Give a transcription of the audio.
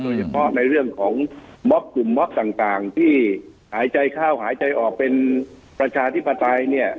โดยเฉพาะในเรื่องของม็อบกลุ่มมอบต่างที่หายใจเข้าหายใจออกเป็นประชาธิปไตยเนี่ย